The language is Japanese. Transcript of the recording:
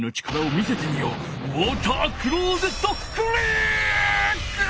ウォータークローゼットクリック！